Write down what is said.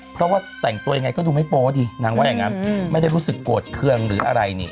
เพราะว่าแต่งตัวยังไงก็ดูไม่โป๊ดินางว่าอย่างนั้นไม่ได้รู้สึกโกรธเครื่องหรืออะไรนี่